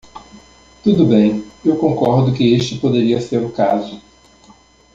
Tudo bem, eu concordo que este poderia ser o caso.